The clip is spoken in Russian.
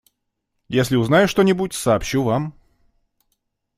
Если узнаю что-нибудь, сообщу вам.